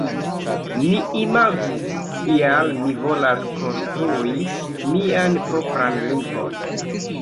Ni imagu, ial mi volas konstrui mian propran lingvon.